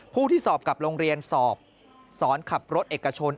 ผู้ที่สอบกับโรงเรียนสอบสอนขับรถเอกชน